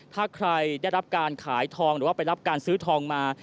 ถ้าใครได้รับการขายทองหรือว่าไปรับการซื้อทองมา